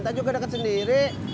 kita juga deket sendiri